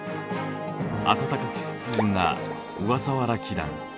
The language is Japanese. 暖かく湿潤な小笠原気団